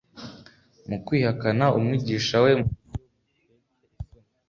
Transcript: Mu kwihakana Umwigisha we mu buryo butcye isoni,